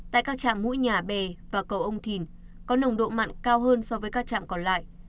tại các trạm mũi nhà bè và cầu ông thìn có nồng độ mặn cao hơn so với các trạm còn lại